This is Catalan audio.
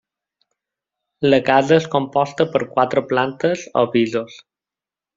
La casa és composta per quatre plantes o pisos.